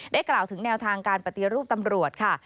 กล่าวถึงแนวทางการปฏิรูปตำรวจค่ะ